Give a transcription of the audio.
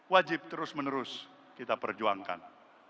wajib terus menerus kita perjuangkan